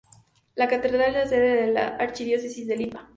La catedral es la sede de la Archidiócesis de Lipa.